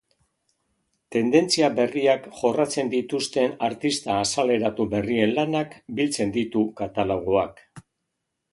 Tendentzia berriak jorratzen dituzten artista azaleratu berrien lanak biltzen ditu katalogoak.